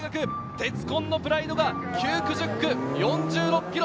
鉄紺のプライドが９区・１０区、４６ｋｍ。